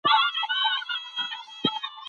محمد ص د الله تعالی رسول دی.